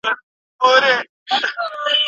خو مسؤلیت هم ورسره مل وي.